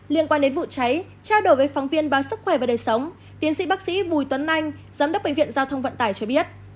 liên quan đến vụ cháy trao đổi với phóng viên báo sức khỏe và đời sống tiến sĩ bác sĩ bùi tuấn anh giám đốc bệnh viện giao thông vận tải cho biết